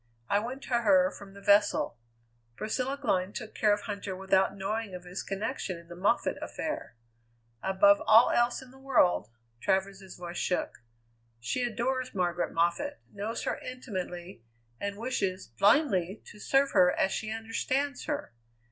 I went to her from the vessel. Priscilla Glynn took care of Huntter without knowing of his connection in the Moffatt affair. Above all else in the world" Travers's voice shook "she adores Margaret Moffatt, knows her intimately, and wishes, blindly, to serve her as she understands her.